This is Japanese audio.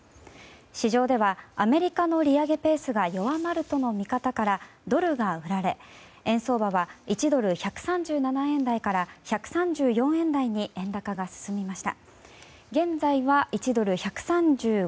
市場ではアメリカの利上げペースが弱まるとの見方からドルが売られ円相場は１ドル＝１３７円台から１３４円台に円高が進みました。